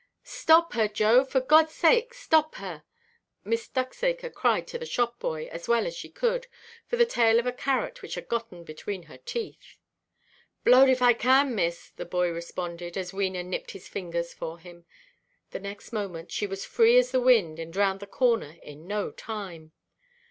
"Stop her, Joe, for Godʼs sake, stop her!" Miss Ducksacre cried to the shop–boy, as well as she could, for the tail of a carrot which had gotten between her teeth. "Blowed if I can, miss," the boy responded, as Wena nipped his fingers for him; the next moment she was free as the wind, and round the corner in no time.